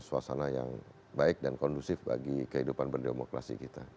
suasana yang baik dan kondusif bagi kehidupan berdemokrasi kita